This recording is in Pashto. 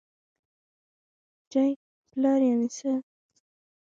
چې پلار يعنې څه؟؟!